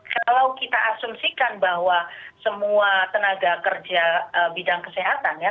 kalau kita asumsikan bahwa semua tenaga kerja bidang kesehatan ya